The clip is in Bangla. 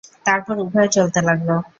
তারপর উভয়ে চলতে লাগল।